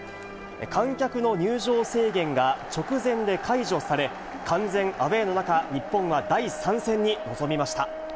観客の入場制限が直前で解除され、完全アウエーの中、日本は第３戦に臨みました。